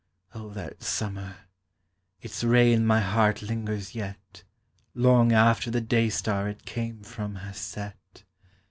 O that summer! its ray In my heart lingers yet, Long after the day Star it came from has set.